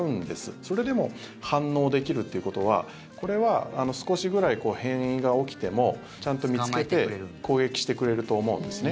それでも反応できるということはこれは少しくらい変異が起きてもちゃんと見つけて攻撃してくれると思うんですね。